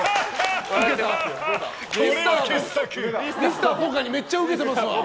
ミスター・ポカにめっちゃウケてますわ。